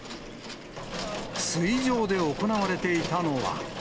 水上で行われていたのは。